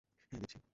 হ্যাঁ, দিচ্ছি।